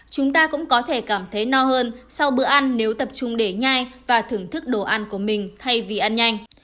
chúng ta cũng có thể cảm thấy no hơn sau bữa ăn nếu tập trung để nhai và thưởng thức đồ ăn của mình thay vì ăn nhanh